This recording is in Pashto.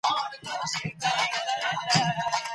ليکوالان به نوي فکري اثار ټولني ته وړاندې کړي.